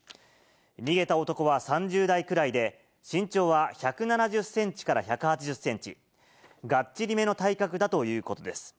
逃げた男は３０代くらいで、身長は１７０センチから１８０センチ、がっちりめの体格だということです。